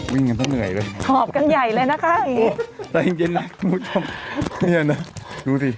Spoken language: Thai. วิ่งกันก็เหนื่อยเลยหอบกันใหญ่เลยนะคะใส่เย็นนี่นะดูสิ